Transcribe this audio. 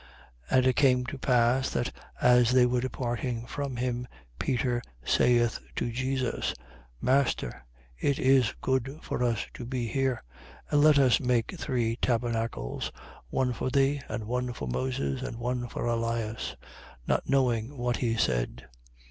9:33. And it came to pass that, as they were departing from him, Peter saith to Jesus: Master, it is good for us to be here: and let us make three tabernacles, one for thee, and one for Moses; and one for Elias: not knowing what he said.